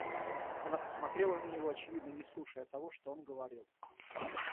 Она посмотрела на него, очевидно не слушая того, что он говорил.